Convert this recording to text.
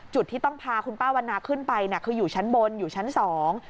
จุดที่ต้องพาคุณป้าวันนาขึ้นไปน่ะคืออยู่ชั้นบนอยู่ชั้นสอง